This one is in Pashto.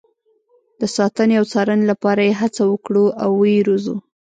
د ساتنې او څارنې لپاره یې هڅه وکړو او ویې روزو.